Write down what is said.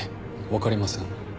分かりません。